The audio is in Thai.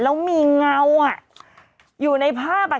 แล้วมีเงาอยู่ในภาพ